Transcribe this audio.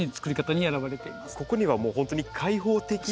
ここにはもう本当に開放的で。